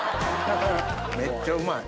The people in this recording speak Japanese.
めっちゃうまい。